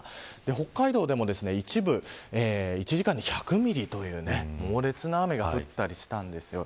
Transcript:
北海道でも一部１時間に１００ミリという猛烈な雨が降ったりしました。